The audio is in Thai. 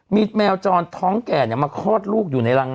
มีแมวจรท้องแก่มาคลอดลูก